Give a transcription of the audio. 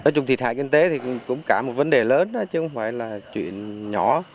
nói chung thiệt hại kinh tế thì cũng cả một vấn đề lớn chứ không phải là chuyện nhỏ